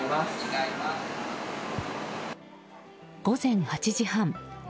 午前８時半。